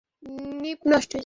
এবার সত্যি জবাব দিয়েছো।